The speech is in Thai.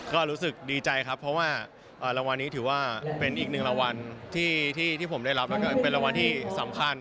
ก็รู้สึกดีใจครับเพราะว่ารางวัลนี้ถือว่าเป็นอีกหนึ่งรางวัลที่ผมได้รับแล้วก็เป็นรางวัลที่สำคัญ